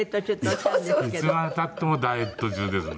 いつまで経ってもダイエット中ですね。